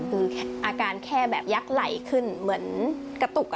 คืออาการแค่แบบยักษ์ไหลขึ้นเหมือนกระตุก